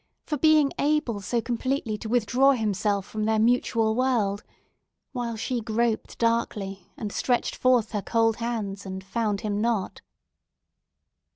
—for being able so completely to withdraw himself from their mutual world—while she groped darkly, and stretched forth her cold hands, and found him not.